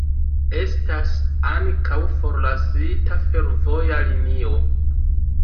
Estas ankaŭ forlasita fervoja linio.